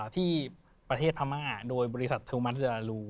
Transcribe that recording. ที่ประเทศพม่าโดยบริษัทธุมัสดรรลู